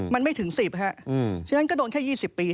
มันไม่ถึง๑๐ฮะฉะนั้นก็โดนแค่๒๐ปี